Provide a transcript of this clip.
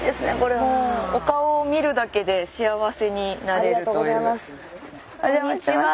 お顔を見るだけで幸せになれるという。